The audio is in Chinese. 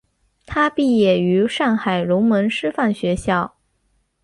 他毕业于上海龙门师范学校。